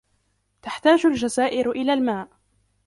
تحتاج الجزائر إلى الماء